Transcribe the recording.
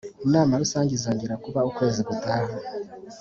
inama rusange izongera kuba ukwezi gutaha